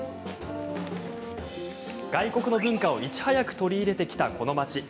外国の文化をいち早く取り入れてきた、この街。